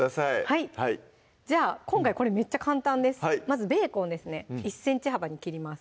はいじゃあ今回これめっちゃ簡単ですまずベーコンですね１ｃｍ幅に切ります